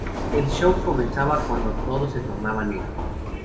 El show comenzaba cuando todo se tornaba negro.